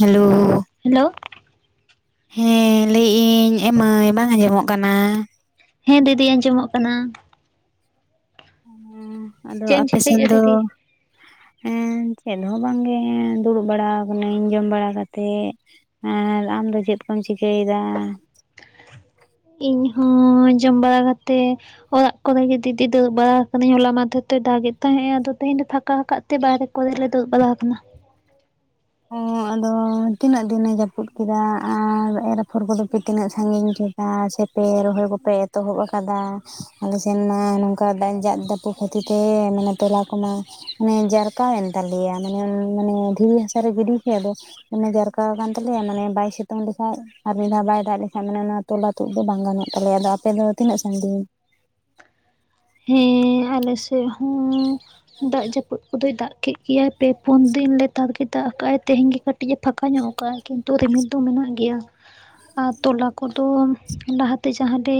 Hello hello ᱦᱮᱸ ᱞᱟᱹᱭᱮᱜ ᱟᱹᱧ ᱮᱢᱟᱹᱭ ᱵᱟᱝ ᱟᱸᱡᱚᱢᱚᱜ ᱠᱟᱱᱟ ᱦᱮᱸ ᱫᱤᱫᱤ ᱟᱸᱡᱚᱢᱚᱜ ᱠᱟᱱᱟ᱾ ᱦᱮᱸᱻ ᱟᱫᱚ ᱪᱮᱫ ᱮᱢ ᱟᱯᱮ ᱥᱮᱱ ᱪᱤᱠᱟᱹᱭᱮᱫᱼᱟ ᱫᱚ ᱫᱤᱫᱤ? ᱦᱮᱸᱻ ᱪᱮᱫ ᱦᱚᱸ ᱵᱟᱝᱜᱮ ᱫᱩᱲᱩᱵ ᱵᱟᱲᱟ ᱠᱟᱱᱟᱹᱧ ᱡᱚᱢ ᱵᱟᱲᱟ ᱠᱟᱛᱮᱫ᱾ ᱟᱨ ᱟᱢᱫᱚ ᱪᱮᱫ ᱠᱚᱢ ᱪᱤᱠᱟᱹᱭᱮᱫᱟ? ᱤᱧ ᱦᱚᱸ ᱡᱚᱢ ᱵᱟᱲᱟ ᱠᱟᱛᱮᱜ ᱚᱲᱟᱜ ᱠᱚᱨᱮᱜ ᱜᱮ ᱫᱤᱫᱤ ᱫᱟᱹᱲ ᱵᱟᱲᱟ ᱠᱟᱹᱱᱟᱹᱧ ᱦᱚᱞᱟ ᱢᱟᱫᱷᱮ ᱛᱮ ᱫᱟᱜ ᱮ ᱛᱟᱦᱮᱸᱜ ᱟᱫᱚ ᱛᱮᱦᱮᱧ ᱫᱚ ᱯᱷᱟᱸᱠᱟ ᱟᱠᱟᱫ ᱛᱮ ᱵᱟᱦᱨᱮ ᱠᱚᱨᱮᱞᱮ ᱫᱩᱲᱩᱵ ᱵᱟᱲᱟᱟᱠᱟᱱᱟ᱾ ᱚ ᱟᱫᱚ ᱛᱤᱱᱟᱹᱜ ᱫᱤᱱ ᱮ ᱡᱟᱹᱯᱩᱫ ᱠᱮᱫᱟ ᱟᱨ ᱮᱨ ᱟᱯᱷᱚᱨ ᱠᱚ ᱫᱚ ᱯᱮ ᱛᱤᱱᱟᱹᱜ ᱥᱟᱺᱜᱤᱧ ᱠᱮᱫ ᱟᱨ ᱥᱮᱯᱮ ᱨᱚᱦᱚᱭ ᱠᱚᱯᱮ ᱮᱛᱚᱦᱚᱵ ᱟᱠᱟᱫᱟ ᱟᱞᱮ ᱥᱮᱱ ᱢᱟ ᱱᱚᱝᱠᱟ ᱫᱟᱭ ᱡᱟᱜ ᱫᱟᱹᱯᱩ ᱠᱷᱟᱹᱛᱤᱨ ᱛᱮ ᱢᱟᱱᱮ ᱴᱚᱞᱟ ᱠᱚᱢᱟ ᱢᱟᱱᱮ ᱡᱟᱨᱠᱟᱣᱮᱱ ᱛᱟᱞᱮᱭᱟ ᱢᱟᱱᱮ ᱢᱟᱱᱮ ᱫᱷᱤᱨᱤ ᱦᱟᱹᱥᱩ ᱮᱨ ᱜᱤᱰᱤ ᱠᱮᱫ ᱫᱚ ᱚᱱᱮ ᱡᱟᱨᱠᱟ ᱟᱠᱟᱱ ᱛᱟᱞᱮᱭᱟ ᱢᱟᱱᱮ ᱵᱟᱭ ᱥᱤᱛᱩᱝ ᱞᱮᱠᱷᱟᱡ᱾ ᱟᱨ ᱢᱤᱫ ᱫᱷᱟᱣ ᱵᱟᱭ ᱫᱟᱜ ᱞᱮᱠᱷᱟᱱ ᱢᱟᱱᱮ ᱚᱱᱟ ᱛᱚᱞᱟ ᱛᱩᱫ ᱫᱚ ᱵᱟᱝ ᱜᱟᱱᱚᱜ ᱛᱟᱞᱮᱭᱟ ᱟᱫᱚ ᱟᱯᱮ ᱫᱚ ᱛᱤᱱᱟᱹᱜ ᱥᱟᱺᱜᱤᱧ? ᱦᱮᱸ ᱟᱞᱮ ᱥᱮᱫ ᱦᱚᱸ ᱫᱟᱜ ᱡᱟᱹᱯᱩᱫ ᱠᱚᱫᱚᱭ ᱫᱟᱜ ᱠᱮᱫ ᱜᱮᱟᱭ ᱯᱮ ᱯᱩᱱ ᱫᱤᱱ ᱞᱮ ᱛᱟᱜ ᱜᱮ ᱫᱟᱜ ᱟᱠᱟᱟᱜᱼᱟᱭ ᱛᱮᱦᱮᱧ ᱜᱮ ᱠᱟᱹᱴᱤᱡ ᱮ ᱯᱷᱟᱸᱠᱟ ᱧᱚᱜ ᱠᱟᱜᱼᱟ ᱠᱤᱱᱛᱩ ᱨᱤᱢᱤᱫ ᱫᱚ ᱢᱮᱱᱟᱜ ᱜᱮᱭᱟ᱾ ᱟᱨ ᱛᱚᱞᱟ ᱠᱚᱫᱚ ᱞᱟᱦᱟᱛᱮ ᱡᱟᱦᱟᱸ ᱜᱮ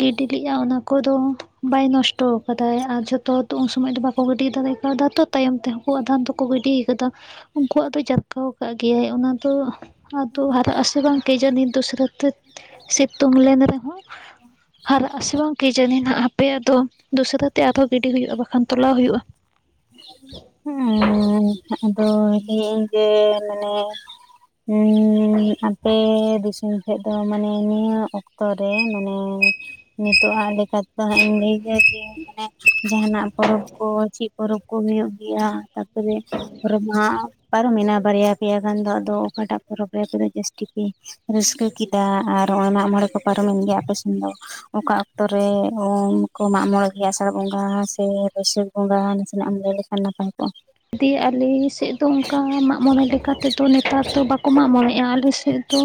ᱜᱤᱰᱤ ᱞᱮᱜᱼᱟ ᱚᱱᱟ ᱠᱚᱫᱚ ᱵᱟᱭ ᱱᱚᱥᱴᱚ ᱠᱟᱫᱟᱭ ᱟᱨ ᱡᱷᱚᱛᱚ ᱫᱚ ᱩᱱ ᱥᱚᱢᱚᱭ ᱫᱚ ᱵᱟᱠᱚ ᱜᱤᱰᱤ ᱫᱟᱲᱮ ᱠᱟᱣᱫᱟ ᱛᱚ ᱛᱟᱭᱚᱢ ᱛᱮ ᱩᱱᱠᱩ ᱟᱫᱟᱱ ᱫᱚᱠᱚ ᱜᱤᱰᱤ ᱟᱠᱟᱫᱟ ᱩᱱᱠᱩᱣᱟᱜ ᱫᱚᱭ ᱡᱟᱨᱠᱟᱣ ᱟᱠᱟᱫ ᱜᱮᱭᱟᱭ ᱚᱱᱟ ᱫᱚ ᱟᱫᱚ ᱦᱟᱨᱟᱜ ᱟᱥᱮ ᱵᱟᱝ ᱠᱮ ᱡᱟᱱᱤ ᱫᱚᱩᱥᱨᱟᱹ ᱛᱮ ᱥᱤᱛᱩᱝ ᱞᱮᱱ ᱨᱮᱦᱚᱸ ᱦᱟᱨᱟᱜ-ᱟ ᱥᱮ ᱵᱟᱝ ᱠᱮ ᱡᱟᱹᱱᱤ ᱱᱷᱟᱸᱜ ᱦᱟᱯ ᱯᱮ ᱟᱫᱚ ᱫᱚᱥᱨᱟᱹ ᱛᱮ ᱟᱨᱦᱚᱸ ᱜᱤᱰᱤ ᱦᱩᱭᱩᱜᱼᱟ ᱵᱟᱠᱷᱟᱱ ᱛᱚᱞᱟᱣ ᱦᱩᱭᱩᱜᱼᱟ᱾ ᱦᱮᱸ ᱟᱫᱚ ᱞᱟᱹᱭ ᱤᱧ ᱡᱮ ᱢᱟᱱᱮ ᱦᱮᱸ ᱟᱯᱮ ᱫᱤᱥᱚᱢ ᱥᱮᱫ ᱫᱚ ᱢᱟᱱᱮ ᱱᱤᱭᱟᱹ ᱚᱠ ᱠᱚᱨᱮ ᱢᱟᱱᱮ ᱱᱤᱛᱚᱜᱼᱟᱜ ᱞᱮᱠᱟᱛᱮ ᱫᱚ ᱦᱟᱸᱜ ᱤᱧ ᱞᱟᱹᱭᱟ ᱡᱮ ᱢᱟᱱᱮ ᱡᱟᱦᱱᱟᱜ ᱯᱚᱨᱚᱵᱽ ᱠᱚ ᱪᱮᱫ ᱯᱚᱨᱚᱵᱽ ᱠᱚ ᱦᱩᱭᱩᱜ ᱜᱮᱭᱟ ᱛᱟᱨᱯᱚᱨᱮ ᱨᱚᱢᱦᱟ ᱯᱟᱨᱚᱢᱱᱟ ᱵᱟᱨᱭᱟ ᱯᱮᱭᱟ ᱜᱟᱱ ᱫᱚ ᱟᱫᱚ ᱚᱠᱟᱴᱟᱜ ᱯᱚᱨᱚᱵᱽ ᱨᱮ ᱯᱩᱨᱟᱹ ᱡᱟᱹᱥᱛᱤ ᱜᱤ ᱨᱟᱹᱥᱠᱟᱹ ᱠᱤ ᱪᱟᱫᱟ ᱟᱨ ᱢᱟᱜ ᱢᱚᱬᱮ ᱠᱚ ᱯᱟᱨᱚᱢᱮᱱ ᱜᱮᱭᱟ ᱟᱯᱮ ᱥᱮᱱ ᱫᱚ᱾ ᱚᱠᱟ ᱚᱠᱛᱚᱨᱮ ᱩᱢ ᱠᱚ ᱢᱟᱜ ᱢᱚᱬᱮ ᱠᱮᱭᱟ ᱥᱮ ᱟᱥᱟᱲ ᱵᱚᱸᱜᱟ ᱥᱮ ᱵᱟᱹᱭᱥᱟᱹᱠ ᱵᱚᱸᱜᱟ ᱛᱤᱱᱟᱹᱜ ᱮᱢ ᱞᱟᱹᱭ ᱞᱮᱠᱷᱟᱱ ᱱᱟᱯᱟᱭ ᱠᱚᱜᱼᱟ ᱫᱤᱭ ᱟᱞᱮ ᱥᱮᱫ ᱫᱚ ᱚᱱᱠᱟ ᱢᱟᱜ ᱢᱚᱬᱮ ᱞᱮᱠᱟᱛᱮᱫᱚ ᱱᱮᱛᱟᱨ ᱫᱚ ᱵᱟᱠᱚ ᱢᱟᱜ ᱢᱚᱬᱮᱮᱜᱼᱟ ᱟᱞᱮ ᱥᱮᱫ ᱫᱚ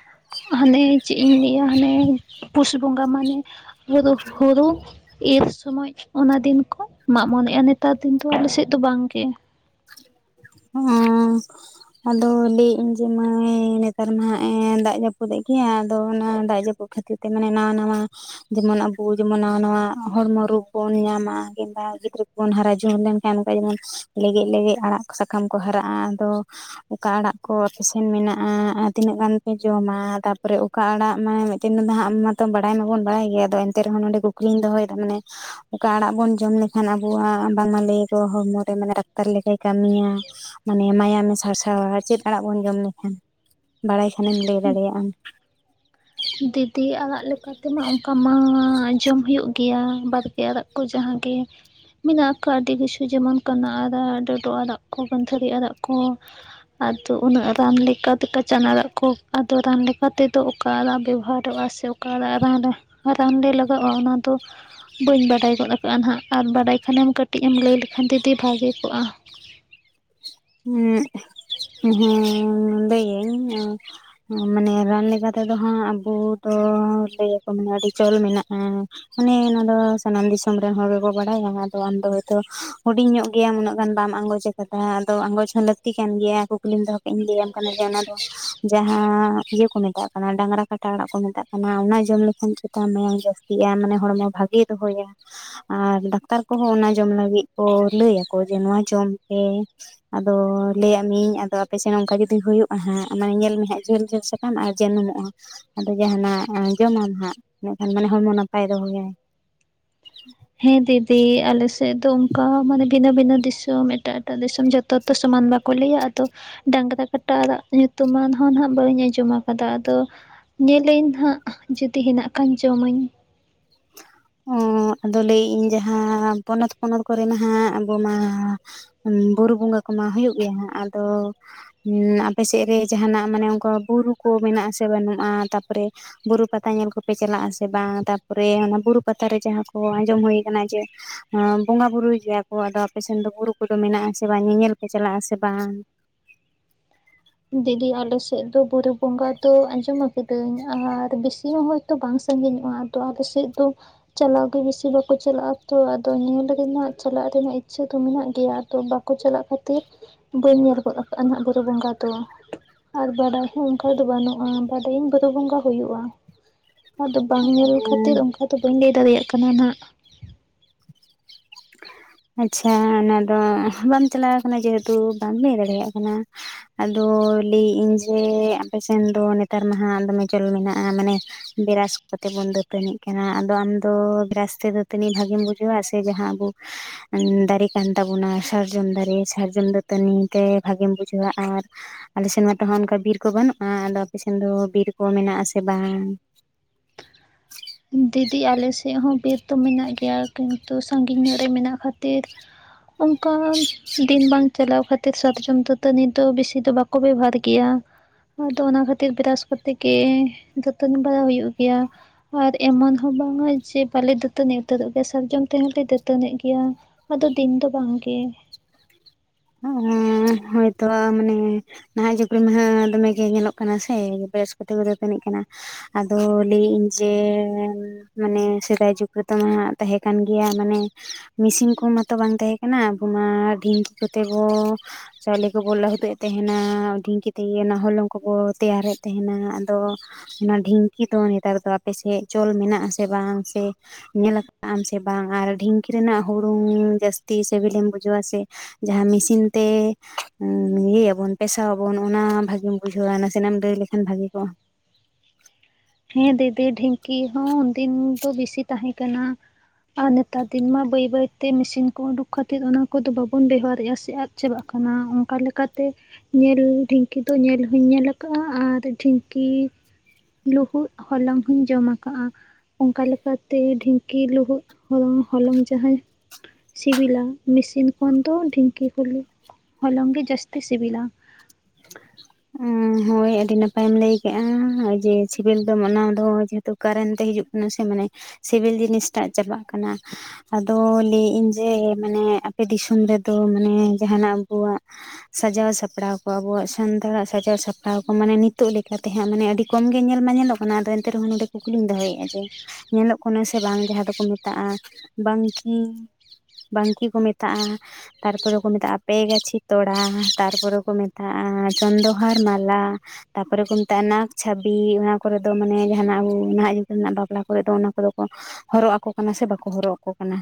[unintelligible] ᱦᱟᱱᱮ ᱪᱮᱫ ᱤᱧ ᱞᱟᱹᱭᱟ ᱦᱟᱱᱮ ᱯᱩᱥ ᱵᱚᱸᱜᱟ ᱢᱟᱱᱮ ᱦᱩᱨᱩ ᱦᱩᱲᱩ ᱮᱨ ᱥᱚᱢᱚᱭ ᱚᱱᱟ ᱫᱤᱱ ᱠᱚ ᱢᱟᱜ ᱢᱚᱲᱮᱜᱼᱟ ᱱᱮᱛᱟᱨ ᱫᱤᱱ ᱫᱚ ᱟᱞᱮᱥᱮᱫ ᱫᱚ ᱵᱟᱝᱜᱮ᱾ ᱚᱦᱚᱸ ᱟᱫᱚ ᱞᱟᱹᱭᱮᱫ ᱟᱹᱧ ᱡᱮ ᱢᱟᱹᱭ ᱱᱮᱛᱟᱨ ᱢᱟ ᱦᱟᱜ ᱮ ᱫᱟᱜ ᱡᱟᱹᱯᱩᱫᱽ ᱮ ᱜᱮᱭᱟ ᱟᱫᱚ ᱚᱱᱟ ᱫᱟᱜ ᱡᱟᱹᱯᱩᱫ ᱠᱷᱟᱹᱛᱤᱨ ᱮ ᱢᱟᱱᱮ ᱱᱟ ᱱᱟᱶᱟ ᱡᱮᱢᱚᱱ ᱟᱵᱚ ᱡᱮᱢᱚᱱ ᱱᱟᱶᱟ ᱱᱟᱶᱟ ᱦᱚᱲᱢᱚ ᱨᱚᱜᱽ ᱵᱚᱱ ᱧᱟᱢᱟ ᱠᱤᱢᱵᱟ ᱡᱩᱜᱽ-ᱡᱩᱜᱽ ᱵᱚᱱ ᱦᱟᱨᱟ ᱡᱩᱣᱟᱹᱱ ᱞᱮᱱᱠᱷᱟᱱ ᱚᱱᱠᱟ ᱜᱮ ᱡᱮᱢᱚᱱ ᱞᱮᱜᱮᱡ ᱞᱮᱜᱮᱡ ᱟᱲᱟᱜ ᱥᱟᱠᱟᱢ ᱠᱚ ᱦᱟᱨᱟᱜᱼᱟ ᱟᱫᱚ ᱚᱠᱟ ᱟᱲᱟᱜ ᱠᱚ ᱟᱯᱮᱥᱮᱱ ᱢᱮᱱᱟᱜᱼᱟ ᱟᱨ ᱛᱤᱱᱟᱹᱜ ᱜᱟᱱ ᱯᱮ ᱡᱚᱢᱟ ᱛᱟᱯᱚᱨᱮ ᱩᱯ ᱚᱠᱟ ᱟᱲᱟᱜ ᱢᱟᱱᱮ ᱢᱤᱫᱴᱮᱱ ᱦᱟᱸᱜ ᱢᱟᱛᱚ ᱵᱟᱲᱟᱭ ᱢᱟᱵᱚᱱ ᱵᱟᱲᱟᱭ ᱜᱮᱭᱟ ᱟᱫᱚ ᱮᱱᱛᱮ ᱨᱮᱦᱚᱸ ᱱᱚᱸᱰᱮ ᱠᱩᱠᱞᱤᱧ ᱫᱚᱦᱚᱭᱮᱫᱟ ᱢᱟᱱᱮ ᱚᱠᱟ ᱟᱲᱟᱜ ᱵᱚᱱ ᱡᱚᱢ ᱞᱮᱠᱷᱟᱱ ᱟᱵᱚᱣᱟᱜ ᱵᱟᱝᱢᱟ ᱞᱟᱹᱭ ᱟᱠᱚ ᱦᱚᱲᱢᱚ ᱨᱮ ᱢᱟᱱᱮ ᱰᱟᱠᱛᱟᱨ ᱞᱮᱠᱮ ᱠᱟᱹᱢᱤᱭᱟ ᱢᱟᱱᱮ ᱢᱟᱭᱟᱢᱮ ᱥᱟᱨᱥᱟᱣᱟ ᱪᱮᱫ ᱟᱲᱟᱜ ᱵᱚᱱ ᱡᱚᱢ ᱞᱮᱠᱷᱟᱱ? ᱵᱟᱲᱟᱭ ᱠᱷᱟᱱᱮᱢ ᱞᱟᱹᱭ ᱫᱟᱲᱮᱭᱟᱜᱼᱟᱢ ᱫᱤᱫᱤ ᱟᱲᱟᱜ ᱞᱮᱠᱟ ᱱᱚᱛᱮ ᱢᱟ ᱚᱱᱠᱟ ᱢᱟ ᱡᱚᱢ ᱦᱩᱭᱩᱜ ᱜᱮᱭᱟ ᱵᱟᱨᱯᱮ ᱟᱲᱟᱜ ᱠᱚ ᱡᱟᱦᱟᱸᱜᱮ ᱢᱮᱱᱟᱜ ᱠᱚᱣᱟ ᱟᱹᱰᱤ ᱠᱤᱪᱷᱩ ᱡᱮᱢᱚᱱ ᱠᱟᱱᱟ ᱟᱲᱟᱜ ᱰᱟᱹᱰᱩ ᱟᱲᱟᱜ ᱠᱚ ᱜᱟᱹᱱᱫᱷᱟᱹᱨᱤ ᱟᱲᱟᱜ ᱠᱚ ᱟᱫᱚ ᱩᱱᱟᱹᱜ ᱨᱟᱱ ᱞᱮᱠᱟ ᱛᱮᱠᱟ ᱪᱟᱱᱟ ᱫᱟᱜ ᱠᱚ, ᱟᱫᱚ ᱨᱟᱱ ᱞᱮᱠᱟ ᱛᱮᱫᱚ ᱚᱠᱟ ᱨᱟᱱ ᱵᱮᱵᱽ ᱵᱮᱵᱽᱦᱟᱨᱚᱜᱼᱟ ᱥᱮ ᱚᱠᱟ ᱨᱟ ᱨᱟᱝ ᱨᱮ ᱟᱨ ᱦᱚᱸ ᱦᱟᱸᱰᱮ ᱞᱟᱜᱟᱼᱟ ᱚᱱᱟ ᱫᱚ ᱵᱟᱹᱧ ᱵᱟᱰᱟᱭ ᱜᱚᱫ ᱟᱠᱟᱜᱼᱟ ᱱᱟᱦᱟᱜ ᱟᱨ ᱵᱟᱰᱟᱭ ᱠᱷᱟᱱᱮᱢ ᱠᱟᱹᱴᱤᱡ ᱮᱢ ᱞᱟᱹᱭ ᱞᱮᱠᱷᱟᱱ ᱫᱤᱫᱤ ᱵᱷᱟᱜᱮ ᱠᱚᱜᱼᱟ᱾ ᱦᱩᱸᱜ ᱩᱸᱦᱩᱻ ᱞᱟᱹᱭᱟᱹᱧ ᱢᱟᱱᱮ ᱨᱟᱱ ᱞᱮᱠᱟ ᱛᱮᱫᱚ ᱦᱟᱸᱜ ᱟᱵᱚ ᱫᱚ ᱞᱟᱹᱭᱟᱠᱚ ᱢᱟᱱᱮ ᱟᱹᱰᱤ ᱪᱚᱞ ᱢᱮᱱᱟᱜᱼᱟ᱾ ᱢᱟᱱᱮ ᱱᱚᱣᱟ ᱫᱚ ᱥᱟᱱᱟᱢ ᱫᱤᱥᱚᱢ ᱨᱮᱱ ᱦᱚᱲ ᱜᱮᱠᱚ ᱵᱟᱲᱟᱭᱟ ᱟᱫᱚ ᱟᱢ ᱫᱚ ᱦᱚᱭᱛᱚ ᱦᱩᱰᱤᱧ ᱧᱚᱜ ᱜᱮᱭᱟᱢ ᱩᱱᱟᱹᱜ ᱜᱟᱱ ᱵᱟᱢ ᱟᱸᱜᱚᱪ ᱪᱤᱠᱟᱹᱛᱮ ᱟᱫᱚ ᱟᱸᱜᱚᱪ ᱦᱚᱸ ᱞᱟᱹᱠᱛᱤ ᱠᱟᱱ ᱜᱮᱭᱟ ᱠᱩᱠᱞᱤᱢ ᱫᱚᱦ ᱤᱧ ᱞᱟᱹᱭᱟᱢ ᱠᱟᱱᱟ ᱡᱮ ᱚᱱᱟ ᱫᱚ ᱡᱟᱦᱟᱸ ᱤᱭᱟᱹ ᱠᱚ ᱢᱮᱛᱟᱜ- ᱚᱱᱟ ᱰᱟᱝᱨᱟ ᱠᱟᱴᱟ ᱚᱲᱟᱜ ᱠᱚ ᱢᱮᱛᱟᱜ ᱠᱟᱱᱟ ᱚᱱᱟ ᱡᱚᱢ ᱞᱮᱠᱷᱟᱱ ᱪᱮᱛᱟ ᱢᱟᱭᱟ ᱡᱟᱹᱥᱛᱤᱜᱼᱟ᱾ ᱢᱟᱱᱮ ᱦᱚᱲᱢᱚ ᱵᱷᱟᱹᱜᱮ ᱫᱚᱦᱚᱭᱟᱭ᱾ ᱟᱨ ᱰᱟᱠᱛᱟᱨ ᱠᱚᱦᱚᱸ ᱚᱱᱟ ᱡᱚᱢ ᱞᱟᱹᱜᱤᱫ ᱠᱚ ᱞᱟᱹᱭᱟᱠᱚ ᱡᱮ ᱱᱚᱣᱟ ᱡᱚᱢ ᱯᱮ ᱟᱫᱚ ᱞᱟᱹᱭᱟᱜ ᱢᱤᱭᱟᱹᱧ ᱟᱫᱚ ᱟᱯᱮ ᱥᱮᱱ ᱚᱱᱠᱟ ᱡᱩᱫᱤ ᱦᱩᱭᱩᱜᱼᱟ ᱦᱟᱸᱜ ᱢᱟᱱᱮ ᱧᱮᱞ ᱢᱮ ᱦᱟᱸᱜ ᱡᱷᱟᱹᱞ ᱡᱷᱟᱹᱞ ᱥᱟ ᱠᱟᱢ ᱟᱨ ᱢᱟ. ᱱᱩᱢᱩᱜ ᱟ ᱟᱫᱚ ᱡᱟᱦᱟᱱᱟ ᱮᱢ ᱡᱚᱢᱟᱢ ᱦᱟᱸᱜ ᱤᱱᱟᱹᱠᱷᱟᱱ ᱢᱟᱱᱮ ᱦᱚᱲᱢᱚ ᱱᱟᱯᱟᱭ ᱫᱚᱦᱚᱭᱟᱭ ᱦᱮᱸ ᱫᱤᱫᱤ ᱟᱞᱮᱥᱮᱫ ᱫᱚ ᱚᱱᱠᱟ ᱢᱟᱱᱮ ᱵᱷᱤᱱᱟᱹ ᱵᱷᱤᱱᱟᱹ ᱫᱤᱥᱚᱢ ᱮᱴᱟᱜ ᱮᱴᱟᱜ ᱫᱤᱥᱚᱢ ᱡᱚᱛ ᱛᱚᱛᱚ ᱥᱚᱢᱟᱱ ᱵᱟᱠᱚ ᱞᱟᱹᱭᱟ ᱟᱫᱚ ᱰᱟᱝᱨᱟ ᱠᱟᱴᱟ ᱟᱲᱟᱜ ᱧᱩᱛᱩᱢᱟᱱ ᱦᱚᱸ ᱦᱟᱸᱜ ᱵᱟᱹᱧ ᱟᱸᱡᱚᱢ ᱟᱠᱟᱫᱟ ᱟᱫᱚ ᱧᱮᱞᱟᱹᱧ ᱦᱟᱸᱜ ᱡᱩᱫᱤ ᱦᱮᱱᱟᱜ ᱠᱷᱟᱱ ᱡᱚᱢᱟᱹᱧ ᱳ ᱟᱫᱚ ᱞᱟᱹᱭᱮᱫ ᱤᱧ ᱡᱟᱦᱟᱸ ᱯᱚᱱᱚᱛ ᱯᱚᱱᱚᱛ ᱠᱚᱨᱮ ᱱᱟᱦᱟᱜ ᱵᱚᱱᱟ ᱦᱩᱸ ᱵᱩᱨᱩ ᱵᱚᱸᱜᱟ ᱠᱚᱢᱟ ᱦᱩᱭᱩᱜ ᱜᱮᱭᱟ ᱦᱟᱸᱜ ᱟᱫᱚ- ᱦᱩᱸ ᱟᱯᱮ ᱥᱮᱫ ᱨᱮ ᱡᱟᱦᱟᱸᱱᱟᱜ ᱢᱟᱱᱮ ᱚᱱᱠᱟ ᱵᱩᱨᱩ ᱠᱚ ᱢᱮᱱᱟᱜ ᱟᱥᱮ ᱵᱟᱹᱱᱩᱜᱼᱟ? ᱛᱟᱯᱚᱨᱮ ᱵᱩᱨᱩ ᱯᱟᱛᱟ ᱧᱮᱞ ᱠᱚᱯᱮ ᱪᱟᱞᱟᱜ ᱟᱥᱮ ᱵᱟᱝ ᱛᱟᱼᱼ ᱯᱚᱨᱮ ᱚᱱᱟ ᱵᱩᱨᱩ ᱯᱟᱛᱟᱨᱮ ᱡᱟᱦᱟᱸ ᱠᱚ ᱟᱸᱡᱚᱢ ᱦᱩᱭ ᱠᱟᱱᱟ ᱡᱮ ᱵᱚᱸᱜᱟ ᱵᱩᱨᱩᱭ ᱜᱮᱭᱟ ᱠᱚ, ᱟᱫᱚ ᱟᱯᱮ ᱥᱮᱱ ᱫᱚ ᱵᱩᱨᱩ ᱠᱚᱫᱚ ᱢᱮᱱᱟᱜ ᱟᱥᱮ ᱵᱟᱝ, ᱧᱮᱧᱮᱞ ᱯᱮ ᱪᱟᱞᱟᱜ ᱟᱥᱮ ᱵᱟᱝ? ᱫᱤᱫᱤ ᱟᱞᱮᱥᱮᱫ ᱫᱚ ᱵᱩᱨᱩ ᱵᱚᱸᱜᱟ ᱫᱚ ᱟᱸᱡᱚᱢ ᱟᱠᱟᱫᱟᱹᱧ ᱟᱨ ᱵᱤᱥᱤ ᱦᱚᱸ ᱛᱚ ᱵᱟᱝ ᱥᱟᱺᱜᱤᱧᱚᱜᱼᱟ ᱟᱫᱚ ᱟᱞᱮ ᱥᱮᱫ ᱫᱚ ᱪᱟᱞᱟᱣ ᱜᱮ ᱵᱤᱥᱤ ᱵᱟᱠᱚ ᱪᱟᱞᱟᱜᱼᱟ ᱛᱚ, ᱟᱫᱚ ᱧᱮᱞ ᱨᱮᱱᱟᱜ ᱪᱟᱞᱟᱜ ᱨᱮᱱᱟᱜ ᱤᱪᱪᱷᱟᱹ ᱫᱚ ᱢᱮᱱᱟᱜ ᱜᱮᱭᱟ᱾ ᱟᱫᱚ ᱵᱟᱼᱼ ᱠᱚ ᱪᱟᱞᱟᱜ ᱠᱷᱟᱹᱛᱤᱨ ᱵᱟᱹᱧ ᱧᱮᱞ ᱜᱚᱫ ᱟᱠᱟᱫᱼᱟ ᱱᱟᱜ ᱵᱩᱨᱩ ᱵᱚᱸᱜᱟ ᱛᱚ ᱟᱨ ᱵᱟᱰᱟᱭ ᱦᱚᱸ ᱚᱱᱠᱟ ᱫᱚ ᱵᱟᱹᱱᱩᱜᱼᱟ, ᱵᱟᱰᱟᱭᱟ. ᱧ ᱵᱩᱨᱩ ᱵᱚᱸᱜᱟ ᱦᱩᱭᱩᱜᱼᱟ᱾ ᱟᱫᱚ ᱵᱟᱝ ᱧᱮᱞ ᱠᱷᱟᱹᱛᱤᱨ ᱚᱱᱠᱟ ᱫᱚ ᱵᱟᱹᱧ ᱞᱟᱹᱭ ᱫᱟᱲᱮᱭᱟᱜ ᱠᱟᱱᱟ ᱱᱟᱸᱜ [inaudible] ᱟᱪᱪᱷᱟ ᱚᱱᱟ ᱫᱚ ᱵᱟᱢ ᱪᱟᱞᱟᱣ ᱠᱟᱱᱟ ᱡᱮᱦᱮᱛᱩ ᱵᱟᱢ ᱞᱟᱹᱭ ᱫᱟᱲᱮ ᱭᱟᱜ ᱠᱟᱱᱟ᱾ ᱟᱫᱚ ᱞᱟᱹᱭᱮᱫ ᱟᱹᱧ ᱡᱮ ᱟᱯᱮ ᱥᱮᱱ ᱫᱚ ᱱᱮᱛᱟᱨ ᱢᱟᱦᱟᱸ ᱫᱚᱢᱮ ᱪᱚᱞ ᱢᱮᱱᱟᱜᱼᱟ ᱢᱟᱱᱮᱼᱼ ᱵᱮᱨᱟᱥ ᱠᱚᱛᱮ ᱵᱚᱱ ᱫᱟᱹᱛᱟᱹᱱᱤᱜ ᱠᱟᱱᱟ ᱟᱫᱚ ᱟᱢᱫᱚ ᱵᱮᱨᱟᱥ ᱛᱮ ᱫᱟᱹᱛᱟᱹᱱᱤ ᱵᱷᱟᱜᱤᱢ ᱵᱩᱡ? ᱵᱩᱡᱷᱟᱣᱟ ᱥᱮ ᱡᱟᱦᱟᱸ ᱟᱵᱚᱼᱼ ᱫᱟᱨᱮ ᱠᱟᱱ ᱛᱟᱵᱚ ᱱᱟ ᱥᱟᱨᱡᱚᱢ ᱫᱟᱨᱮ ᱥᱟᱨᱡᱚᱢ ᱫᱟᱛᱟᱹᱱᱤᱛᱮ ᱵᱷᱟᱜᱮᱢ ᱵᱩᱡᱷᱟᱹᱣᱟ ᱟᱨ, ᱟᱞᱮ ᱥᱮᱱ ᱢᱟᱛᱚ ᱦᱟᱸᱜ ᱚᱱᱠᱟ ᱵᱤᱨ ᱠᱚ ᱵᱟᱹᱱᱩᱜᱼᱟ ᱟᱫᱚ ᱟᱯᱮ ᱥᱮᱱ ᱫᱚ ᱵᱤᱨ ᱠᱚ ᱢᱮᱱᱟᱜ ᱟᱥᱮ ᱵᱟᱝ? ᱫᱤᱫᱤ ᱟᱞᱮ ᱥᱮᱫ ᱦᱚᱸ ᱵᱤᱨ ᱫᱚ ᱢᱮᱱᱟᱜ ᱜᱮᱭᱟ ᱠᱤᱱᱛᱩ ᱥᱟᱺᱜᱤᱧ ᱧᱚᱜ ᱨᱮ ᱢᱮᱱᱟᱜ ᱠᱷᱟᱛᱼᱼ ᱛᱤᱨ ᱚᱱᱠᱟ ᱫᱤᱱ ᱵᱟᱝᱼᱼ ᱪᱟᱞᱟᱣ ᱠᱷᱟᱛᱤ ᱥᱟᱛᱡᱚᱢ ᱫᱟᱛᱟᱹᱱᱤ ᱫᱚ ᱵᱮᱥᱤ ᱫᱚ ᱵᱟᱠᱚ ᱵᱮᱵᱚᱦᱷᱟᱨ ᱜᱮᱭᱟ᱾ ᱟᱫᱚ ᱚᱱᱟ ᱠᱷᱟᱹᱛᱤᱨ ᱵᱨᱟᱥ ᱠᱚᱛᱮ ᱜᱮ ᱫᱟᱛᱟᱹᱱᱤ ᱵᱟᱲᱟᱜ ᱦᱩᱭᱩᱜ ᱜᱮᱭᱟ᱾ ᱟᱨ ᱮᱢᱚᱱ ᱦᱚᱸ ᱵᱟᱝᱟ ᱡᱮ ᱵᱟᱞᱮ ᱫᱟᱹᱛᱟᱹᱱᱤ ᱩᱛᱟᱹᱨᱚᱜ ᱜᱮᱭᱟ ᱥᱟᱨᱡᱚᱢ ᱛᱮᱦᱚᱸᱞᱮ ᱫᱟᱹᱛᱟᱹᱱᱤᱜ ᱜᱮᱭᱟ᱾ ᱟᱫᱚ ᱫᱤᱱ ᱫᱚ ᱵᱟᱝᱼᱜᱮ ᱚ ᱦᱩ ᱦᱳᱭᱛᱚ ᱢᱟᱱᱮ ᱱᱟᱦᱟᱜ ᱡᱩᱜᱽ ᱨᱮᱢᱟ ᱦᱟᱸᱜ ᱫᱚᱢᱮᱜᱮ ᱧᱮᱞᱚᱜ ᱠᱟᱱᱟ ᱥᱮ ᱵᱮᱨᱟᱥ ᱠᱚᱛᱮ ᱠᱚ ᱛᱟᱹᱱᱤᱜ ᱠᱟᱱᱟ᱾ ᱟᱫᱚ ᱞᱟᱹᱭᱮᱫ ᱟᱹᱧ ᱡᱮᱼᱼ ᱢᱟᱱᱮ ᱥᱮᱫᱟᱭ ᱡᱩᱜᱽ ᱨᱮᱫᱚ ᱦᱟᱸᱜ ᱛᱟᱦᱮᱸ ᱠᱟᱱ ᱜᱮᱭᱟ ᱢᱟᱱᱮ ᱢᱤᱥᱤᱱ ᱠᱚᱦᱚᱸ ᱢᱟᱛᱚ ᱵᱟᱝ ᱛᱟᱦᱮᱸ ᱮᱱᱟ ᱟᱵᱚ ᱢᱟ ᱰᱷᱤᱝᱠᱤ ᱠᱚᱛᱮ ᱵᱚ ᱪᱟᱣᱞᱮ ᱠᱚᱠᱚ ᱞᱟᱹᱦᱩᱫᱮᱫ ᱛᱟᱦᱮᱸᱱᱟ ᱰᱤᱷᱤᱝᱠᱤ ᱛᱮᱜᱮ ᱚᱱᱟ ᱦᱚᱞᱚᱝ ᱠᱚᱠᱚ ᱛᱮᱭᱟᱨᱮᱫ ᱛᱟᱦᱮᱫᱱᱟ ᱟᱫᱚ, ᱚᱱᱟ ᱰᱷᱤᱝᱠᱤ ᱫᱚ ᱱᱮᱛᱟᱨ ᱫᱚ ᱟᱯᱮᱥᱮᱫ ᱪᱚᱞ ᱢᱮᱱᱟᱜ ᱟᱥᱮ ᱵᱟᱝ᱾ ᱥᱮ ᱧᱮᱞ ᱟᱠᱟᱜ ᱟᱢ ᱥᱮ ᱵᱟᱝ ᱟᱨ ᱰᱷᱤᱝᱠᱤ ᱨᱮᱱᱟᱜ ᱦᱩᱲᱩᱝ ᱡᱟᱹᱥᱛᱤ ᱥᱤᱵᱤᱞᱮᱢ ᱵᱩᱡᱷᱟᱹᱣᱟ ᱥᱮ? ᱡᱟᱦᱟᱸ ᱢᱮᱥᱤᱱ ᱛᱮ ᱤᱭᱟᱹ ᱭᱟᱵᱚᱱ ᱯᱮᱥᱟᱣ ᱟᱵᱚᱱ ᱚᱱᱟ ᱵᱷᱟᱜᱤᱢ ᱵᱩᱡᱷᱟᱹᱣᱟ ᱱᱟᱥᱮᱱᱟᱜ ᱮᱢ ᱞᱟᱹᱭ ᱞᱮᱠᱷᱟᱱᱼᱼ ᱵᱷᱟᱹᱜᱤ ᱠᱚᱜ-ᱟ ᱦᱮᱸ ᱫᱤᱫᱤ ᱰᱷᱤᱝᱠᱤ ᱦᱚᱸ ᱩᱱᱫᱤᱱ ᱫᱚ ᱦᱤᱥᱤ ᱛᱟᱦᱮ ᱠᱟᱱᱟ ᱟᱨ ᱱᱮᱛᱟᱨ ᱫᱤᱱ ᱢᱟ ᱵᱟᱹᱭ ᱵᱟᱹᱭᱛᱮ ᱢᱮᱥᱤᱱ ᱠᱚ ᱩᱰᱩᱠ ᱠᱷᱟᱛᱤᱨ ᱚᱱᱟ ᱠᱚᱫᱚ ᱵᱟᱵᱚᱱ ᱵᱮᱣᱦᱟᱨᱮᱫᱼᱟ ᱥᱮ ᱟᱫ ᱪᱟᱵᱟᱜ ᱠᱟᱱᱟ ᱚᱱᱠᱟ ᱞᱮᱠᱟᱛᱮ ᱧᱮᱞ ᱰᱷᱤᱝᱠᱤ ᱫᱚ ᱧᱮᱞ ᱦᱚᱧ ᱧᱮᱞ ᱟᱠᱟᱫᱼᱟ ᱟᱨ ᱰᱷᱤᱝᱠᱤ ᱞᱟ. ᱦᱩᱫ ᱦᱚᱞᱚᱝ ᱦᱚᱧ ᱡᱚᱢ ᱠᱟᱜᱼᱟ ᱚᱱᱠᱟ ᱞᱮᱠᱟᱛᱮ ᱰᱷᱤᱝᱠᱤ ᱞᱟ. ᱦᱩᱫ ᱦᱚᱞᱚᱝ ᱦᱚᱞᱚᱝ ᱡᱟᱦᱟᱸ ᱥᱤᱵᱤᱞᱟ ᱢᱮᱥᱤᱱ ᱠᱷᱚᱱ ᱫᱚ ᱰᱷᱤᱝᱠᱤ ᱦᱩᱞᱩᱜ ᱦᱚᱞᱚᱝ ᱜᱮ ᱡᱟᱹᱥᱛᱤ ᱥᱤᱵᱤᱞᱟ ᱦᱳᱭ ᱟᱹᱰᱤ ᱱᱟᱯᱟᱭᱮᱢ ᱞᱟᱹᱭ ᱠᱮᱜᱼᱟ ᱡᱮ ᱪᱷᱮᱵᱮᱞ ᱫᱚ ᱢᱟᱱᱟᱣ ᱫᱚ ᱛᱚ ᱠᱟᱨᱮᱱ ᱛᱮ ᱦᱤᱡᱩᱜ ᱠᱟᱱᱟ ᱥᱮ ᱢᱟᱱᱮ ᱥᱤᱵᱤᱞ ᱡᱤᱱᱤᱥᱴᱟᱜ ᱪᱟᱵᱟᱜ ᱠᱟᱱᱟ ᱟᱫᱚ ᱞᱟᱹᱭᱮᱫ ᱟᱹᱧ ᱡᱮ ᱢᱟᱱᱮ ᱟᱯᱮ ᱫᱤᱥᱚᱢ ᱨᱮᱫᱚ ᱢᱟᱱᱮ ᱡᱟᱦᱟᱱᱟᱜ ᱟᱵᱚᱣᱟᱜ ᱥᱟᱡᱟᱣ ᱥᱟᱯᱲᱟᱣ ᱠᱚ ᱟᱵᱚᱣᱟᱜ ᱥᱟᱱᱛᱟᱲᱟᱜ ᱥᱟᱡᱟᱣ ᱥᱟᱯᱲᱟᱣ ᱠᱚ ᱢᱟᱱᱮ ᱱᱤᱛᱚᱜ ᱞᱮᱠᱟᱛᱮ ᱦᱟᱸᱜ ᱢᱟᱱᱮ ᱟᱹᱰᱤ ᱠᱚᱢ ᱜᱮ ᱧᱮᱞ ᱢᱟ ᱧᱮᱞᱚᱜ ᱠᱟᱱᱟ ᱟᱫᱚ ᱮᱱᱛᱮ ᱨᱮᱦᱚᱸ ᱱᱚᱸᱰᱮ ᱠᱩᱠᱞᱤᱧ ᱫᱚᱦᱚᱭᱮᱫᱼᱟ ᱡᱮ ᱧᱮᱞᱚᱜ ᱠᱟᱱᱟ ᱥᱮ ᱵᱟᱝ ᱡᱟᱦᱟᱸ ᱫᱚᱠᱚ ᱢᱮᱛᱟᱜᱼᱟ ᱵᱟᱝᱠᱤ ᱵᱟᱝᱠᱤ ᱠᱚ ᱢᱮᱛᱟᱜᱼᱟ ᱛᱟᱨ ᱯᱚᱨᱮ ᱠᱚ ᱢᱮᱛᱟᱜᱼᱟ ᱯᱮ ᱜᱟᱪᱷᱤ ᱛᱚᱲᱟ ᱛᱟᱨᱯᱚᱨᱮ ᱠᱚ ᱢᱮᱛᱟᱜᱼᱟ ᱪᱚᱱᱫᱚ ᱦᱚᱨᱱᱟᱞᱟ ᱛᱟᱨᱯᱚᱨᱮ ᱠᱚ ᱢᱮᱛᱟᱜᱼᱟ ᱱᱟᱜ ᱪᱷᱟᱵᱤ ᱚᱱᱟ ᱠᱚᱨᱮ ᱫᱚ ᱢᱟᱱᱮ ᱡᱟᱦᱟᱱᱟᱜ ᱱᱟᱦᱟᱜ ᱡᱩᱜᱽᱨᱮᱱᱟᱜ ᱵᱟᱯᱞᱟ ᱠᱚᱨᱮ ᱫᱚ ᱚᱱᱟ ᱠᱚᱫᱚ ᱠᱚ ᱦᱚᱨᱚᱜ ᱟᱠᱚ ᱠᱟᱱᱟ ᱥᱮ ᱵᱟᱠᱚ ᱦᱚᱨᱚᱜ ᱟᱠᱚ ᱠᱟᱱᱟ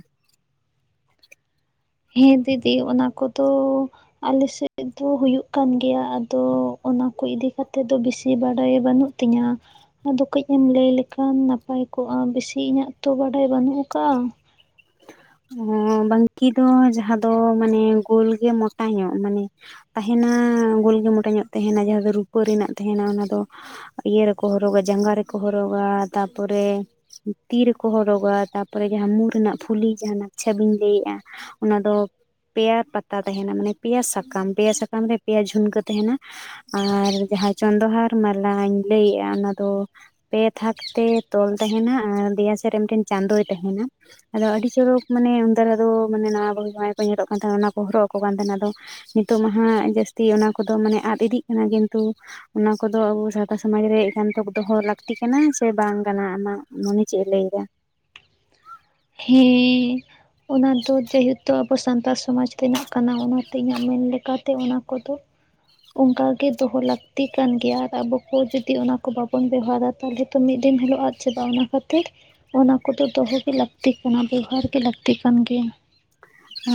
ᱦᱮᱸ ᱫᱤᱫᱤ ᱚᱱᱟ ᱠᱚᱫᱚ ᱟᱞᱮ ᱥᱮᱫ ᱫᱚ ᱦᱩᱭᱩᱜ ᱠᱟᱱ ᱜᱮᱭᱟ ᱟᱫᱚ ᱚᱱᱟ ᱠᱚ ᱤᱫᱤ ᱠᱛᱮᱫ ᱫᱚ ᱵᱤᱥᱤ ᱵᱟᱰᱟᱭ ᱵᱟᱹᱱᱩᱜ ᱛᱤᱧᱟ ᱟᱫᱚ ᱠᱟᱹᱡ ᱮᱢ ᱞᱟᱹᱭ ᱞᱮᱠᱷᱟᱱ ᱱᱟᱯᱟᱭ ᱠᱚᱜᱼᱟ ᱵᱤᱥᱤ ᱤᱧᱟᱹᱜ ᱛᱚ ᱵᱟᱰᱟᱭ ᱵᱟᱹᱱᱩᱜ ᱟᱠᱟᱜᱼᱟ ᱵᱟᱝᱠᱤ ᱫᱚ ᱡᱟᱸᱦᱟ ᱫᱚ ᱢᱟᱱᱮ ᱜᱳᱞ ᱜᱮ ᱢᱚᱴᱟ ᱧᱚᱜ ᱢᱟᱱᱮ ᱛᱟᱦᱮᱱᱟ ᱜᱳᱞ ᱜᱮ ᱢᱚᱴᱟ ᱧᱚᱜ ᱛᱟᱦᱮᱱᱟ ᱡᱟᱦᱟᱸ ᱫᱚ ᱨᱩᱯᱟᱹ ᱨᱮᱱᱟᱜ ᱛᱟᱦᱮᱱᱟ ᱚᱱᱟ ᱫᱚ ᱤᱭᱟ. ᱨᱮᱠᱚ ᱦᱚᱨᱚᱜ-ᱟ ᱡᱟᱸᱜᱟ ᱨᱮᱠᱚ ᱦᱚᱨᱚᱜᱟ ᱛᱟᱯᱚᱨᱮ ᱛᱤ ᱨᱮᱠᱚ ᱦᱚᱨᱚᱜᱟ ᱛᱟᱯᱚᱨᱮ ᱡᱟᱸᱦᱟ ᱢᱩ ᱨᱮᱱᱟᱜ ᱯᱷᱩᱞᱤ ᱡᱟᱦᱟᱸᱱᱟᱠᱪᱷᱟ ᱵᱤᱱ ᱞᱟᱹᱭᱮᱜᱼᱟ ᱚᱱᱟ ᱫᱚ ᱯᱮᱭᱟ ᱯᱟᱛᱟ ᱛᱟᱦᱮᱱᱟ ᱢᱟᱱᱮ ᱯᱮᱭᱟ ᱥᱟᱠᱟᱢ ᱯᱮᱭᱟ ᱥᱟᱠᱟᱢ ᱨᱮ ᱯᱮᱭᱟ ᱡᱷᱩᱱᱠᱟᱹ ᱛᱟᱦᱮᱱᱟ᱾ ᱟᱨ ᱡᱟᱦᱟᱸ ᱪᱚᱱᱫᱚᱦᱟᱨ ᱢᱟᱞᱟᱧ ᱞᱟᱹᱭᱮᱜᱼᱟ ᱚᱱᱟ ᱫᱚ ᱯᱮ ᱛᱷᱟᱠ ᱛᱮ ᱛᱚᱞ ᱛᱟᱦᱮᱱᱟ ᱟᱨ ᱫᱮᱭᱟ ᱥᱮᱫ ᱨᱮ ᱢᱤᱫ ᱴᱮᱱ ᱪᱟᱸᱫᱚᱭ ᱛᱟᱦᱮᱱᱟ ᱟᱫᱚ ᱟᱹᱰᱤ ᱪᱚᱨᱚᱠ ᱢᱟᱱᱮ ᱩᱱ ᱫᱟᱨ ᱫᱚ ᱢᱟᱱᱮ ᱱᱟᱣᱟ ᱵᱟᱦᱩ ᱡᱟᱶᱟᱭ ᱠᱚ ᱧᱮᱞᱚᱜ ᱠᱟᱱ ᱛᱟᱦᱮᱱᱟ ᱚᱱᱟ ᱠᱚ ᱦᱚᱨᱚᱜ ᱟᱠᱚ ᱠᱟᱱ ᱛᱟᱦᱮᱱᱟ ᱟᱫᱚ ᱱᱤᱛᱚᱜ ᱢᱟ ᱦᱟᱸᱜ ᱡᱟᱹᱥᱛᱤ ᱚᱱᱟ ᱠᱚᱫᱚ ᱢᱟᱱᱮ ᱟᱫ ᱤᱫᱤᱜ ᱠᱟᱱᱟ ᱠᱤᱱᱛᱩ ᱚᱱᱟ ᱠᱚᱫᱚ ᱟᱵᱚ ᱥᱟᱶᱛᱟ ᱥᱚᱢᱟᱡ ᱨᱮ ᱮᱠᱟᱱᱛᱚ ᱫᱚᱦᱚ ᱞᱟᱹᱠᱛᱤ ᱠᱟᱱᱟ ᱥᱮ ᱵᱟᱝ ᱠᱟᱱᱟ ᱟᱢᱟᱜ ᱢᱚᱱᱮ ᱪᱮᱜ ᱮ ᱞᱟᱹᱭᱫᱟ? ᱦᱮᱸ ᱚᱱᱟ ᱫᱚ ᱡᱮᱦᱮᱛᱩ ᱟᱵᱚ ᱥᱟᱱᱛᱟᱲ ᱥᱚᱢᱟᱡᱽ ᱨᱮᱱᱟᱜ ᱠᱟᱱᱟ ᱚᱱᱟᱛᱮ ᱤᱧᱟᱹᱜ ᱢᱮᱱ ᱞᱮᱠᱟᱛᱮ ᱚᱱᱟ ᱠᱚᱫᱚ ᱚᱝᱠᱟ ᱜᱮ ᱫᱚᱦᱚ ᱞᱟᱹᱠᱛᱤ ᱠᱟᱱ ᱜᱮᱭᱟ ᱟᱨ ᱟᱵᱚ ᱠᱚ ᱡᱩᱫᱤ ᱚᱱᱟ ᱠᱚ ᱵᱟᱵᱚᱱ ᱵᱮᱣᱦᱟᱨᱟ ᱛᱟᱞᱦᱮ ᱛᱚ ᱢᱤᱫ ᱫᱤᱱ ᱦᱤᱞᱳᱜ ᱟᱫ ᱪᱟᱵᱟᱜᱼᱟ ᱚᱱᱟ ᱠᱷᱟᱹᱛᱤᱨ ᱚᱱᱟ ᱠᱚᱫᱚ ᱫᱚᱦᱚ ᱜᱮ ᱞᱟᱹᱠ ᱛᱤᱠ ᱠᱟᱱᱟ ᱵᱮᱵᱚᱦᱟᱨ ᱜᱮ ᱞᱟᱹᱠᱛᱤ ᱠᱟᱱ ᱜᱮᱭᱟ᱾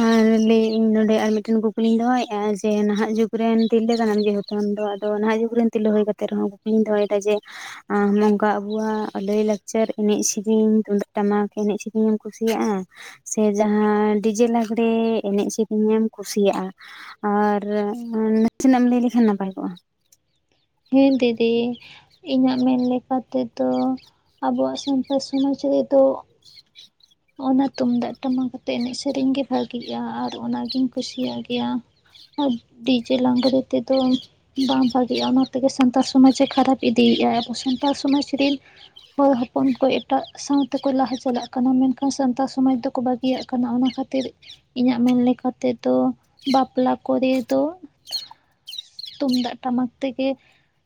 ᱟᱨ ᱞᱟᱹᱭᱮᱜᱼᱟᱹᱧ ᱱᱚᱰᱮ ᱟᱨ ᱢᱤᱫᱴᱮᱱ ᱠᱩᱠᱞᱤᱧ ᱫᱚᱦᱚᱭᱮᱜᱼᱟ ᱡᱮ ᱱᱟᱦᱟᱜ ᱡᱩᱜᱽ ᱨᱮᱱ ᱛᱤᱨᱞᱟᱹ ᱠᱟᱱᱟᱢ ᱡᱮᱦᱩ ᱪᱚᱱ ᱫᱚ ᱟᱫᱚ ᱱᱟᱦᱟᱜ ᱡᱩᱜᱽ ᱨᱮᱱ ᱛᱤᱨᱞᱟ. ᱦᱩᱭ ᱠᱟᱛᱮᱜ ᱨᱮᱦᱚᱸ ᱠᱩᱞᱤᱧ ᱫᱚᱦᱚᱭᱫᱟ ᱡᱮ ᱟᱸ ᱱᱚᱝᱠᱟ ᱟᱵᱚᱣᱟᱜ ᱞᱟᱹᱭ ᱞᱟᱠᱪᱟᱨ ᱮᱱᱮᱡ ᱥᱮᱨᱮᱧ ᱛᱩᱢᱫᱟᱜ ᱴᱟᱢᱟᱠ ᱮᱱᱮᱡ ᱥᱮᱨᱮᱧ ᱮᱢ ᱠᱩᱥᱤᱭᱟᱜᱼᱟ? ᱥᱮ ᱡᱟᱦᱟᱸ ᱰᱤᱡᱮ ᱞᱟᱜᱽᱲᱮ ᱮᱱᱮᱡ ᱥᱮᱨᱮᱧ ᱮᱢ ᱠᱩᱥᱤᱭᱟᱜᱼᱟ? ᱟᱨ ᱱᱟᱥᱮᱱᱟᱜ ᱮᱢ ᱞᱟᱹᱭ ᱞᱮᱠᱷᱟᱱ ᱱᱟᱯᱟᱭ ᱠᱚᱜᱼᱟ? ᱦᱮᱸ ᱫᱤᱫᱤ ᱤᱧᱟᱹᱜ ᱢᱮᱱ ᱞᱮᱠᱟᱛᱮ ᱫᱚ ᱟᱵᱚᱣᱟᱜ ᱥᱟᱱᱛᱟ ᱥᱚᱢᱟᱡᱽ ᱨᱮᱫᱚ ᱚᱱᱟ ᱛᱩᱢᱫᱟᱜ ᱴᱟᱢᱟᱠ ᱟᱛᱮᱜ ᱮᱱᱮᱡ ᱥᱮᱨᱮᱧ ᱜᱮ ᱵᱷᱟᱹᱜᱤᱭ-ᱟ ᱟᱨ ᱚᱱᱟ ᱜᱤᱧ ᱠᱩᱥᱤᱭᱟᱜ ᱜᱮᱭᱟ᱾ ᱟᱨ ᱰᱤᱡᱮ ᱞᱟᱜᱲᱮ ᱛᱮᱫᱚ ᱵᱟᱝ ᱵᱷᱟ. ᱜᱤᱭᱼᱟ ᱚᱱᱟ ᱛᱮᱜᱮ ᱥᱟᱱᱛᱟᱲ ᱥᱚᱢᱟᱡᱽ ᱮ ᱠᱷᱟᱨᱟᱯ ᱤᱫᱤᱭᱮᱜᱼᱟ ᱟᱵᱚ ᱥᱟᱱᱛᱟᱲ ᱥᱚᱢᱟᱡᱽ ᱨᱤᱱᱼᱼ ᱦᱚᱭ ᱦᱚᱯᱚᱱ ᱠᱚ ᱮᱴᱟᱜ ᱥᱟᱶ ᱛᱮᱠᱚ ᱞᱟᱦᱟ ᱪᱟᱞᱟᱜ ᱠᱟᱱᱟ ᱢᱮᱱᱠᱷᱟ ᱱᱟ ᱥᱟᱱᱛᱟ ᱥᱚᱢᱟᱡᱽ ᱫᱚᱠᱚ ᱵᱟᱹᱜᱤᱭᱟᱜ ᱠᱟᱱᱟ ᱚᱱᱟ ᱠᱷᱟᱹᱛᱤᱨ ᱤᱧᱟᱹᱜ ᱢᱮᱱ ᱞᱮᱠᱟ ᱛᱮᱫᱚ ᱵᱟᱯᱞᱟ ᱠᱚᱨᱮ ᱫᱚ ᱛᱩᱢᱫᱟᱜ ᱴᱟᱢᱟᱠ ᱛᱮᱜᱮ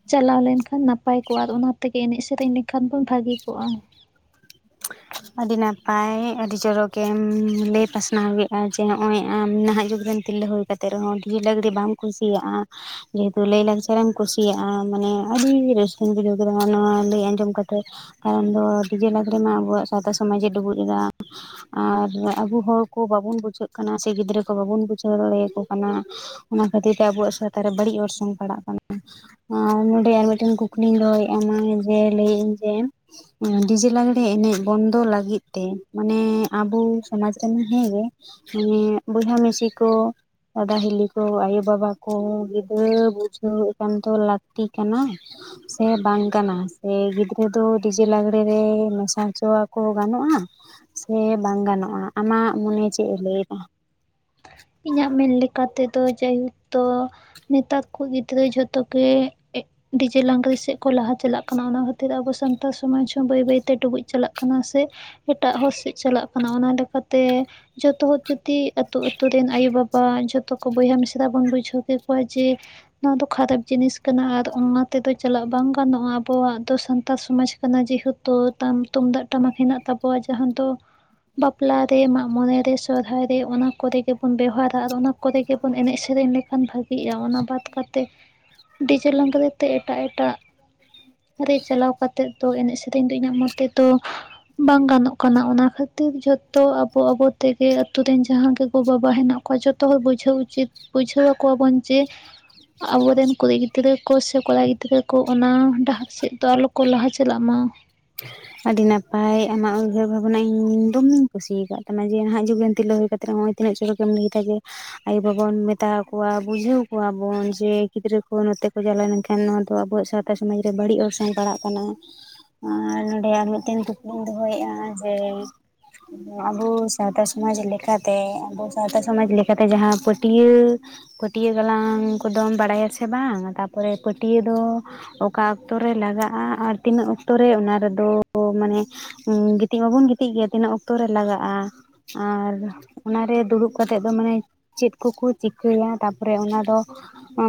ᱪᱟᱞᱟᱣ ᱞᱮᱱᱠᱷᱟᱱ ᱱᱟᱯᱟᱭ ᱠᱚᱜᱼᱟ᱾ ᱟᱨ ᱚᱱᱟ ᱛᱮᱜᱮ ᱮᱱᱮᱡ ᱥᱮᱨᱮᱧ ᱞᱮᱠᱷᱟᱱ ᱵᱚᱱ ᱵᱷᱟᱹᱜᱤ ᱠᱚᱜᱼᱟ᱾ ᱟᱹᱰᱤ ᱱᱟᱯᱟᱭ ᱟᱹᱰᱤ ᱪᱚᱨᱚᱠᱮᱢ ᱞᱟᱹᱭ ᱯᱟᱥᱱᱟᱣ ᱠᱮᱜᱼᱟ ᱡᱮ ᱱᱚᱜᱼᱚᱭ ᱟᱢ ᱱᱟᱦᱟᱜ ᱡᱩᱜᱽ ᱨᱮᱱ ᱛᱤᱞᱟᱹ ᱦᱩᱭ ᱠᱟᱛᱮᱜ ᱨᱮᱦᱚᱸ ᱰᱷᱤᱡᱮ ᱞᱟᱜᱽᱲᱤ ᱵᱟᱢ ᱠᱩᱥᱤᱭᱟᱜᱼᱟ᱾ ᱡᱮᱦᱮᱛᱩ ᱞᱟᱭᱼᱞᱟᱠᱪᱟᱨᱮ ᱮᱢ ᱠᱩᱥᱤᱭᱟᱜᱼᱟ ᱢᱟᱱᱮ ᱟᱹᱰᱤ ᱨᱟᱹᱥᱠᱟᱹᱧ ᱵᱩᱡᱷᱟᱹᱣ ᱠᱮᱫᱟ ᱱᱚᱣᱟ ᱞᱟᱹᱭ ᱟᱸᱡᱚᱢ ᱠᱟᱛᱮᱜ᱾ ᱠᱟᱨᱚᱱ ᱫᱚ ᱰᱤᱡᱮ ᱞᱟᱹᱜᱲᱮ ᱢᱟ ᱟᱵᱚᱣᱟᱜ ᱥᱟᱶᱛᱟ ᱥᱚᱢᱟᱡ ᱮ ᱰᱩᱵᱩᱡ ᱮᱫᱟ᱾ ᱟᱨ ᱟᱵᱚ ᱦᱚᱲᱠᱚ ᱵᱟᱵᱚᱱ ᱵᱩᱡᱷᱟᱹᱜ ᱠᱟᱱᱟ ᱥᱮ ᱜᱤᱫᱽᱨᱟᱹ ᱠᱚ ᱵᱟᱵᱚᱱ ᱵᱩᱡᱷᱟᱹᱣ ᱫᱟᱲᱮᱭᱟᱠᱚ ᱠᱟᱱᱟ᱾ ᱚᱱᱟ ᱠᱷᱟᱹᱛᱤᱨ ᱛᱮ ᱟᱵᱚᱣᱟᱜ ᱥᱟᱶᱛᱟ ᱨᱮ ᱵᱟᱹᱲᱤᱜ ᱚᱨᱥᱚᱝ ᱯᱟᱲᱟᱜ ᱠᱟᱱᱟ᱾ ᱟᱨ ᱱᱚᱰᱮ ᱟᱨ ᱢᱤᱫᱴᱮᱱ ᱠᱩᱠᱞᱤᱧ ᱫᱚᱦᱚᱭᱮᱜᱼᱟ ᱢᱟᱹᱭ ᱡᱮ ᱞᱟᱹᱭᱮᱜᱼᱟᱹᱧ ᱡᱮ ᱰᱤᱡᱮ ᱞᱟᱜᱽᱲᱮ ᱮᱱᱮᱡ ᱵᱚᱱᱫᱚ ᱞᱟᱹᱜᱤᱫ ᱛᱮ ᱢᱟᱱᱮ ᱟᱵᱚ ᱥᱚᱢᱟᱡᱽ ᱨᱮᱱ ᱦᱮᱸᱜᱮ ᱢᱟᱱᱮ ᱵᱚᱭᱦᱟ ᱢᱤᱥᱤ ᱠᱚ ᱫᱟᱫᱟ ᱦᱤᱞᱤ ᱠᱚ ᱟᱭᱳ ᱵᱟᱵᱟ ᱠᱚ ᱜᱤᱫᱽᱨᱟᱹ ᱵᱩᱡᱷᱟᱹᱣ ᱮᱠᱟᱱᱛᱚ ᱞᱟᱹᱠᱛᱤ ᱠᱟᱱᱟ᱾ ᱥᱮ ᱵᱟᱝ ᱠᱟᱱᱟ? ᱥᱮ ᱜᱤᱫᱽᱨᱟᱹ ᱫᱚ ᱰᱤᱡᱮ ᱞᱟᱜᱽᱲᱮ ᱨᱮ ᱢᱮᱥᱟ ᱥᱚᱣᱟ ᱠᱚ ᱜᱟᱱᱚᱜᱼᱟ ᱥᱮ ᱵᱟᱝ ᱜᱟᱱᱚᱜᱼᱟ ᱟᱢᱟᱜ ᱢᱚᱱᱮ ᱪᱮᱜ ᱮ ᱞᱟᱹᱭᱮᱫᱟ? ᱤᱧᱟᱹᱜ ᱢᱮᱱ ᱞᱮᱠᱟ ᱛᱮᱫᱚ ᱡᱟᱭᱦᱳᱠ ᱛᱚ ᱱᱮᱛᱟᱨ ᱠᱩᱡ ᱜᱤᱫᱽᱨᱟᱹ ᱡᱷᱚᱛᱚ ᱜᱮ ᱰᱤᱡᱮ ᱞᱟᱜᱲᱮ ᱥᱮᱫ ᱠᱚ ᱞᱟᱦᱟ ᱪᱟᱞᱟᱜ ᱠᱟᱱᱟ ᱚᱱᱟ ᱠᱷᱟᱹᱛᱤᱨ ᱟᱵᱚ ᱥᱟᱱᱛᱟ ᱥᱚᱢᱟᱡᱽ ᱦᱚᱸ ᱵᱟᱹᱭ ᱵᱟᱹᱭᱛᱮ ᱰᱩᱵᱩᱡ ᱪᱟᱞᱟᱜ ᱠᱟᱱᱟ ᱥᱮ᱾ ᱮᱴᱟᱜ ᱦᱚᱲ ᱥᱮᱫ ᱪᱟᱞᱟᱜ ᱠᱟᱱᱟ ᱚᱱᱟ ᱞᱮᱠᱟᱛᱮ ᱡᱚᱛᱚ ᱦᱚᱲ ᱡᱩᱫᱤ ᱟᱹᱛᱩ ᱟᱹ ᱛᱳ ᱨᱮᱱ ᱟᱭᱳ ᱵᱟᱵᱟ ᱡᱷᱚᱛᱚ ᱠᱚ ᱵᱚᱭᱦᱟ ᱢᱤᱥᱨᱟ ᱵᱚᱱ ᱵᱩᱡᱷᱟᱹᱣ ᱠᱮᱠᱚᱣᱟ ᱡᱮ ᱱᱚᱣᱟ ᱫᱚ ᱠᱷᱟᱨᱟᱯ ᱡᱤᱱᱤᱥ ᱠᱟᱱᱟ ᱟᱨ ᱚᱱᱟ ᱛᱮᱫᱚ ᱪᱟᱞᱟᱜ ᱵᱟᱝ ᱜᱟᱱᱚᱜᱼᱟ, ᱟᱵᱚᱣᱟᱜ ᱫᱚ ᱥᱟᱱᱛᱟ ᱥᱚᱢᱟᱡᱽ ᱠᱟᱱᱟ ᱡᱮᱦᱩ ᱛᱩ ᱛᱟᱢ ᱛᱩᱢᱫᱟᱜ ᱴᱟᱢᱟᱠ ᱦᱮᱱᱟᱜ ᱛᱟᱵᱚᱣᱟ ᱡᱟᱦᱟᱸ ᱫᱚ ᱵᱟᱯᱞᱟ ᱨᱮ ᱢᱟᱜᱽ ᱢᱚᱱᱮ ᱨᱮ ᱥᱚᱨᱦᱟᱭ ᱨᱮ ᱚᱱᱟ ᱠᱚᱨᱮ ᱨᱮᱵᱚᱱ ᱵᱮᱣᱦᱟᱨᱟ ᱟᱨ ᱚᱱᱟ ᱠᱚᱨᱮ ᱜᱮᱵᱚᱱ ᱮᱱᱮᱜ ᱥᱮᱨᱮᱧ ᱞᱮᱠᱷᱟᱱ ᱵᱷᱟᱹᱜᱤᱜᱼᱟ, ᱚᱱᱟ ᱵᱟᱫ ᱠᱟᱛᱮ ᱰᱤᱡᱮ ᱞᱟᱜᱲᱮ ᱛᱮ ᱮᱴᱟᱜ ᱮᱴᱟᱜ ᱨᱮ ᱪᱟᱞᱟᱣ ᱠᱟᱛᱮᱜ ᱫᱚ ᱮᱱᱮᱡ ᱥᱮᱨᱮᱧ ᱫᱚ ᱤᱧᱟᱹᱜ ᱢᱚᱛᱮ ᱫᱚ ᱵᱟᱝ ᱜᱟᱱᱚᱜ ᱠᱟᱱᱟ ᱚᱱᱟ ᱠᱷᱟᱹᱛᱤᱨ ᱡᱷᱚᱛᱚ ᱟᱵᱚ ᱟᱵᱚ ᱛᱮᱜᱮ ᱟᱛᱩᱨ ᱨᱮᱱ ᱡᱟᱦᱟᱸ ᱜᱮ ᱜᱚᱼᱵᱟᱵᱟ ᱦᱮᱱᱟᱜ ᱠᱚᱣᱟ ᱡᱚᱛᱚ ᱦᱚᱲ ᱵᱩᱡᱷᱟᱹᱣ ᱩᱪᱤᱛ ᱵᱩᱡᱷᱟᱹᱣ ᱟᱠᱚᱣᱟ ᱵᱚᱱ ᱡᱮ ᱟᱵᱚᱨᱮᱱ ᱠᱩᱲᱤ ᱜᱤᱫᱽᱨᱟᱹ ᱠᱚ ᱥᱮ ᱠᱚᱲᱟ ᱜᱤᱫᱽᱨᱟᱹ ᱠᱚ ᱚᱱᱟ ᱰᱟᱦᱟᱨ ᱥᱮᱫ ᱫᱚ ᱟᱞᱚ ᱠᱚ ᱞᱟᱦᱟ ᱪᱟᱞᱟᱜ ᱢᱟ ᱟᱹᱰᱤ ᱱᱟᱯᱟᱭ ᱟᱢᱟᱜ ᱩᱭᱦᱟᱹᱨ ᱵᱷᱟᱵᱽᱱᱟ ᱤᱧ ᱫᱚᱢᱮᱧ ᱠᱩᱥ ᱟᱠᱟᱫ ᱛᱟᱢᱟ ᱡᱮ ᱱᱟᱦᱟᱜ ᱡᱩᱜᱽᱨᱮᱱ ᱛᱤᱨᱞᱟᱹ ᱦᱩᱭ ᱠᱟᱛᱮ ᱛᱤᱱᱟᱹᱜ ᱪᱚᱨᱚᱠ ᱜᱮᱢ ᱞᱟᱹᱭ ᱫᱟ ᱡᱮ ᱟᱭᱳ ᱵᱟᱵᱚᱱ ᱢᱮᱛᱟᱠᱚᱣᱟ ᱵᱩᱡᱷᱟᱹᱣ ᱠᱚᱣᱟᱵᱚᱱ ᱡᱮ ᱜᱤᱫᱽᱨᱟᱹ ᱠᱚ ᱱᱚᱛᱮ ᱠᱚ ᱪᱟᱞᱟᱣ ᱞᱮᱱᱠᱷᱟᱱ ᱱᱚᱣᱟ ᱫᱚ ᱟᱵᱚᱣᱟᱜ ᱥᱟᱶ ᱥᱟᱶᱛᱟ ᱥᱚᱢᱟᱡᱽ ᱨᱮ ᱵᱟᱹᱲᱤᱡ ᱚᱨᱥᱚᱝ ᱯᱟᱲᱟᱜ ᱠᱟᱱᱟ ᱟᱨ ᱟᱨ ᱢᱤᱫᱴᱮᱱ ᱠᱩᱠᱞᱤᱧ ᱫᱚᱦᱚᱭᱮᱫᱼᱟ ᱡᱮ ᱟᱵᱚ ᱥᱟᱶᱛᱟ ᱥᱚᱢᱟᱡᱽ ᱞᱮᱠᱟᱛᱮ ᱟᱵᱚ ᱥᱟᱶᱛᱟ ᱥᱚᱢᱟᱡᱽ ᱞᱮᱠᱟᱛᱮ ᱡᱟᱦᱟᱸ ᱯᱟᱹᱴᱭᱟᱹ ᱯᱟᱹᱴᱭᱟᱹ ᱜᱟᱞᱟᱝ ᱠᱚᱫᱚᱢ ᱵᱟᱲᱟᱭᱟ ᱥᱮ ᱵᱟᱝ ᱛᱟᱯᱚᱨᱮ ᱯᱟᱹᱴᱭᱟᱹ ᱫᱚ ᱚᱠᱟ ᱚᱠᱛᱚ ᱨᱮ ᱞᱟᱜᱟᱜᱼᱟ ᱟᱨ ᱛᱤᱱᱟᱹᱜ ᱚᱠᱛᱚᱨᱮ ᱚᱱᱟ ᱨᱮ ᱚ ᱢᱟᱱᱮ ᱜᱤᱛᱤᱡ ᱢᱟᱵᱚᱱ ᱜᱤᱛᱤᱡ ᱜᱮᱭᱟ ᱛᱤᱱᱟᱹᱜ ᱚᱠᱛᱚ ᱨᱮ ᱞᱟᱜᱟᱜᱼᱟ ᱟᱨ ᱚᱱᱟᱨᱮ ᱫᱩᱲᱩᱵ ᱠᱟᱛᱮᱫ ᱫᱚ ᱢᱟᱱᱮ ᱪᱮᱫ ᱠᱚᱠᱚ ᱪᱤᱠᱟᱹᱭᱟ ᱛᱟᱯᱚᱨᱮ ᱚᱱᱟᱫᱚ